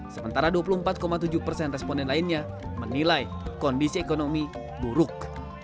sementara dua puluh empat tujuh persen responden lainnya menilai kondisi ekonomi buruk